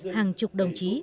hàng chục đồng chí